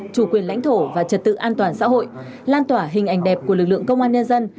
chủ quyền lãnh thổ và trật tự an toàn xã hội lan tỏa hình ảnh đẹp của lực lượng công an nhân dân